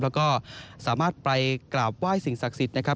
แล้วก็สามารถไปกราบไหว้สิ่งศักดิ์สิทธิ์นะครับ